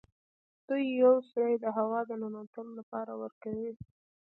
دوی یو سوری د هوا د ننوتلو لپاره ورکوي.